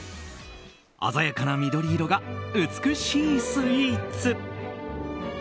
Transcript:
鮮やかな緑色が美しいスイーツ。